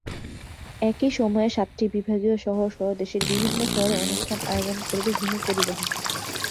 একই সময়ে সাতটি বিভাগীয় শহরসহ দেশের বিভিন্ন শহরে অনুষ্ঠান আয়োজন করবে হিমু পরিবহন।